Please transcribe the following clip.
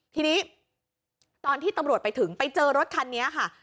ทีนี้ตอนที่ตำรวจไปถึงไปเจอรถคันนี้ค่ะ